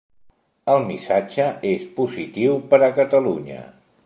El missatge és positiu per a Catalunya.